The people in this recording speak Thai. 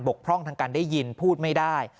พร่องทางการได้ยินพูดไม่ได้